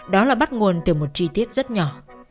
đó là bắt nguồn từ một chi tiết rất nhỏ